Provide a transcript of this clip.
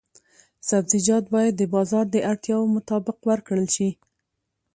سبزیجات باید د بازار د اړتیاوو مطابق وکرل شي.